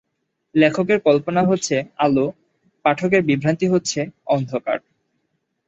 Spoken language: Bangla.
লেখকের কল্পনা হচ্ছে আলো, পাঠকের বিভ্রান্তি হচ্ছে অন্ধকার।